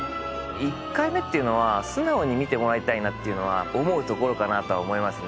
１回目っていうのは素直に見てもらいたいなっていうのは思うところかなとは思いますね